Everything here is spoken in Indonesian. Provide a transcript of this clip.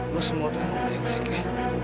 lo semua tahu yang segre